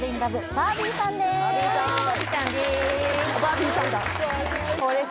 バービーさんだ